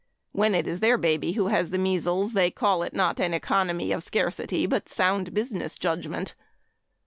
When it is their baby who has the measles, they call it not "an economy of scarcity" but "sound business judgment."